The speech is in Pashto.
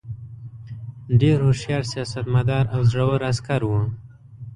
ډېر هوښیار سیاستمدار او زړه ور عسکر وو.